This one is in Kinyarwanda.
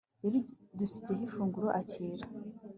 yabidusigiyeho ifunguro, akira